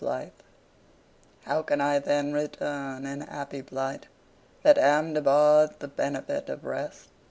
XXVIII How can I then return in happy plight, That am debarre'd the benefit of rest?